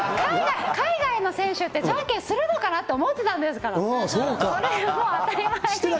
海外の選手ってじゃんけんするのかな？って思ってたんですから。